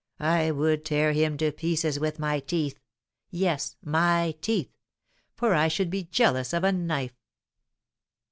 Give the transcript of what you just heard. I would tear him to pieces with my teeth yes, my teeth; for I should be jealous of a knife!"